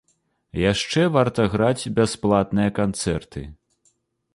Яшчэ варта граць бясплатныя канцэрты.